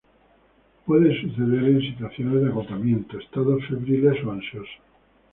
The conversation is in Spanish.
Puede suceder en situaciones de agotamiento, estados febriles o ansiosos.